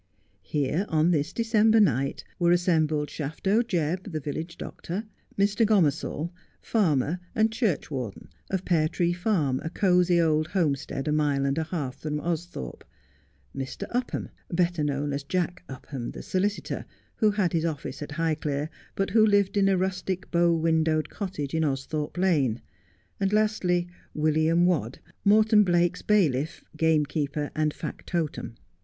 Here on this December night were assembled Shafto Jebb, the village doctor ; Mr. Gomersall, farmer and churchwarden, of Pear Tree Farm, a cosy old homestead, a mile and a half from Austhorpe ; Mr. Upham, better known as Jack Upham, the solicitor, who had his office at Highclere, but who lived in a rustic bow win dowed cottage in Austhorpe Lane ; and lastly William Wadd, Morton Blake's bailiff, gamekeeper, and factotum.